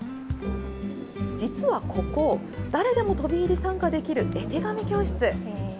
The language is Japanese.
実はここ、誰でも飛び入り参加できる絵手紙教室。